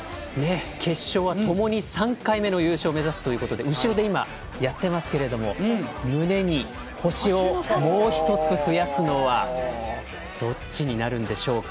決勝は、共に３回目の優勝を目指すということで後ろでやっていますけど胸に星をもう１つ増やすのはどっちになるんでしょうか。